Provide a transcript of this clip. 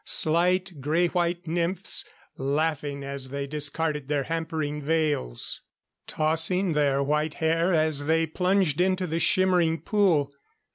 Slight, grey white nymphs, laughing as they discarded their hampering veils, tossing their white hair as they plunged into the shimmering pool.